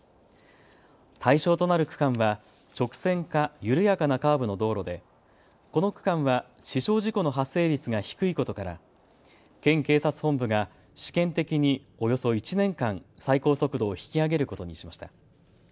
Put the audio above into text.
対象となる区間は直線か、緩やかなカーブの道路でこの区間は死傷事故の発生率が低いことから県警察本部が試験的におよそ１年間、最高速度を引き上げることにしました。